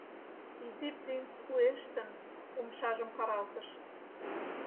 Изи принц, уэштын, умшажым каралтыш.